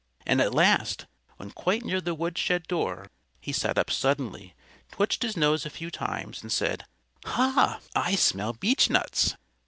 And at last, when quite near the woodshed door, he sat up suddenly, twitched his nose a few times, and said, "Ha! I smell beechnuts!"